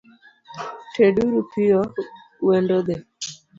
Ted uru piyo wendo dhi.